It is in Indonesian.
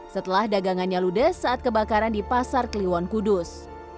setelah dagangannya ludes saat kebakaran di pasar kliwon kudus